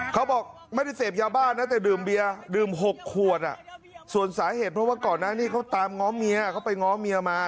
เขาบอกไม่ได้เสพยาบ้านะแต่ดื่มเบียร์ดื่ม๖ขวดส่วนสาเหตุเพราะว่าก่อนหน้านี้เขาตามง้อเมียเขาไปง้อเมียมา